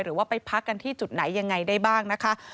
หรือว่าไปพักกันที่จุดไหนยังไงได้บ้างนะคะ